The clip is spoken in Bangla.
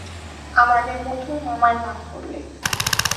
আমাদের মথুর মামার নাম করলে।